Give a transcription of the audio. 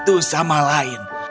satu sama lain